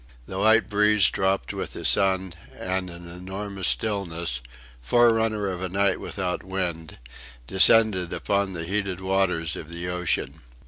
The light breeze dropped with the sun, and an enormous stillness, forerunner of a night without wind, descended upon the heated waters of the ocean.